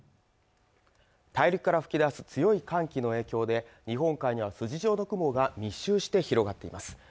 大陸から吹き出す強い寒気の影響で日本海には筋状の雲が密集して広がっています